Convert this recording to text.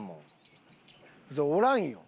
おらんよ